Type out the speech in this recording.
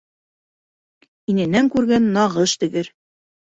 Инәнән күргән нағыш тегер.